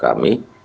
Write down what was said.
yang ketiga adalah